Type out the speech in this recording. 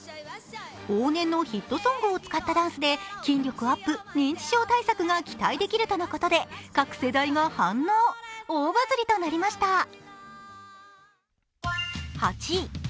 往年のヒットソングを使ったダンスで筋力アップ、認知症対策が期待できるとのことで各世代が反応、大バズりとなりました。